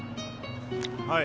はい。